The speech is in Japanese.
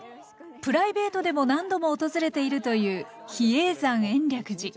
プライベートでも何度も訪れているという比叡山延暦寺。